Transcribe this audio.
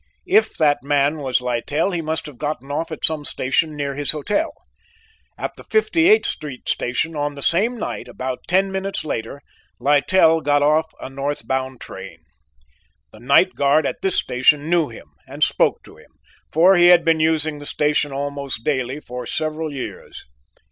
If that man was Littell he must have gotten off at some station near his hotel. At the Fifty eighth Street station on the same night about ten minutes later Littell got off a north bound train. The night guard at this station knew him and spoke to him, for he had been using the station almost daily for several years.